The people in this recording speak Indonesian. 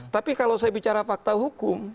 tapi kalau saya bicara fakta hukum